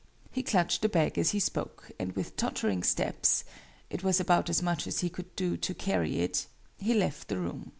He clutched the bag as he spoke, and with tottering steps (it was about as much as he could do to carry it) he left the room.